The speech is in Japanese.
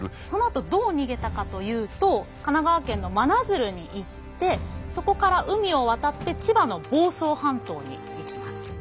そのあとどう逃げたかというと神奈川県の真鶴に行ってそこから海を渡って千葉の房総半島に行きます。